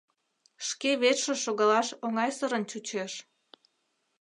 Шке верчше шогалаш оҥайсырын чучеш.